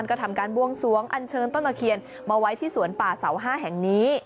ก็ทำการบวงสวงอันเชิญต้นตะเคียนมาไว้ที่สวนป่าเสาห้าแห่งนี้